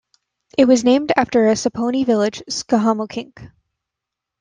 It was named after a Saponi village, Schahamokink.